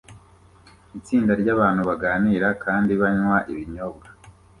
Itsinda ryabantu baganira kandi banywa ibinyobwa